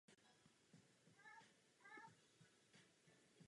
Během bombardování Varšavy přišla její rodina o dům a musela si najít náhradní bydlení.